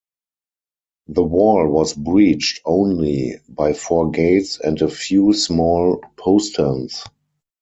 The wall was breached only by four gates and a few small posterns.